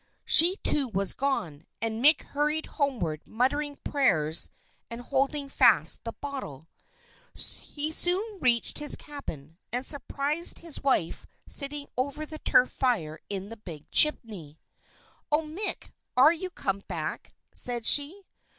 She, too, was gone; and Mick hurried homeward muttering prayers and holding fast the bottle. He soon reached his cabin, and surprised his wife sitting over the turf fire in the big chimney. "Oh! Mick, are you come back?" said she.